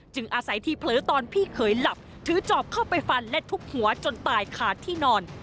อาศัยที่เผลอตอนพี่เขยหลับถือจอบเข้าไปฟันและทุบหัวจนตายขาดที่นอน